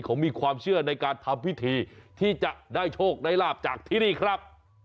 เขามีความเชื่อในการทำพิธีที่จะได้โชคได้ลาบจากที่นี่ครับ